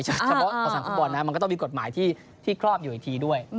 เฉพาะของสนามฟุตบอลนะมันก็ต้องมีกฎหมายที่ครอบอยู่อีกทีด้วย